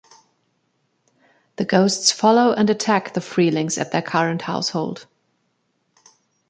The ghosts follow and attack the Freelings at their current household.